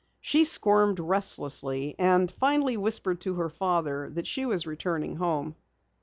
She squirmed restlessly, and finally whispered to her father that she was returning home.